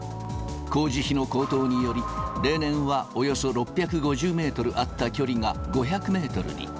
工事費の高騰により、例年はおよそ６５０メートルあった距離が、５００メートルに。